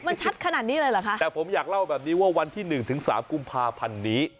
มันชัดขนาดนี้เลยเหรอคะแต่ผมอยากเล่าแบบนี้ว่าวันที่หนึ่งถึงสามกุมภาพันธ์นี้